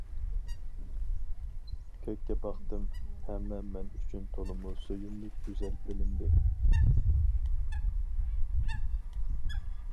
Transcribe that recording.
كۆككە باقتىم، ھەممە مەن ئۈچۈن تولىمۇ سۆيۈملۈك، گۈزەل بىلىندى.